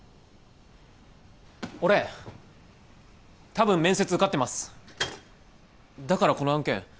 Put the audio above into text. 俺多分面接受かってますだからこの案件